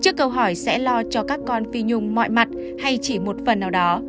trước câu hỏi sẽ lo cho các con phi nhung mọi mặt hay chỉ một phần nào đó